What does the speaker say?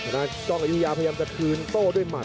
เธอก็ใกล้ใหญ่พยายามจะคืนโต้ด้วยมัน